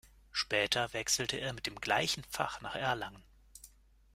Später wechselte er mit dem gleichen Fach nach Erlangen.